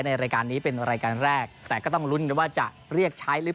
ในรายการนี้เป็นรายการแรกแต่ก็ต้องลุ้นกันว่าจะเรียกใช้หรือ